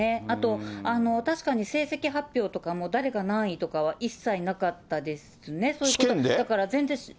あと、確かに成績発表とかも、誰が何位とかは一切なかったですね、だから全然。